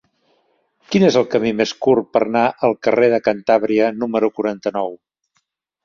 Quin és el camí més curt per anar al carrer de Cantàbria número quaranta-nou?